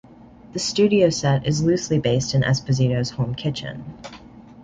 The studio set is loosely based on Esposito's home kitchen.